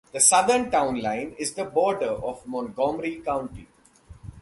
The southern town line is the border of Montgomery County.